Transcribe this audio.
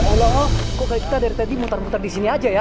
ya allah kok kali kita dari tadi muter muter disini aja ya